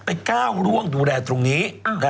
ก้าวร่วงดูแลตรงนี้